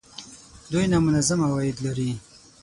دوی نامنظم عواید لري